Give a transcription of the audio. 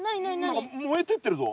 何か燃えてってるぞ。